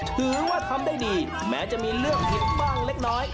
ถือว่าทำได้ดีแม้จะมีเลือกผิดบ้างเล็กน้อย